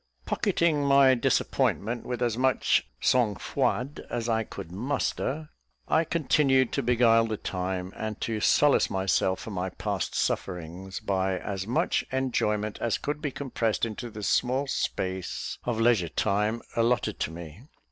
Pocketing my disappointment with as much sang froid as I could muster, I continued to beguile the time and to solace myself for my past sufferings, by as much enjoyment as could be compressed into the small space of leisure time allotted to me.